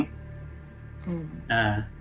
อืม